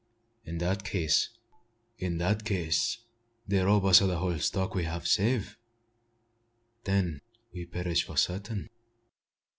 In that case " "In dat case, dey rob us ob de whole stock we hab save. Den we perish fo' sartin."